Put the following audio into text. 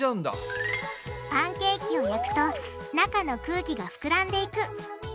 パンケーキを焼くと中の空気がふくらんでいく。